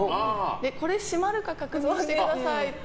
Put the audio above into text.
これ閉まるか確認してくださいって。